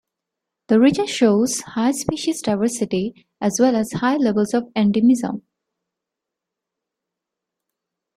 The region shows high species diversity as well as high levels of endemism.